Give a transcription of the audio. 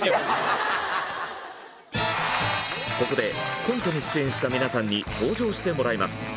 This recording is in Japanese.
ここでコントに出演した皆さんに登場してもらいます。